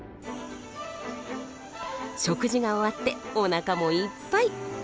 食事が終わっておなかもいっぱい。